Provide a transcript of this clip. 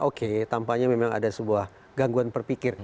oke tampaknya memang ada sebuah gangguan berpikir